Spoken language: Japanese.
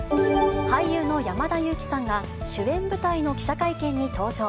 俳優の山田裕貴さんが、主演舞台の記者会見に登場。